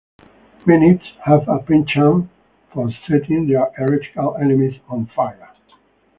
Menites have a penchant for setting their heretical enemies on fire.